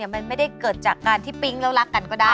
มันไม่ได้เกิดจากการที่ปิ๊งแล้วรักกันก็ได้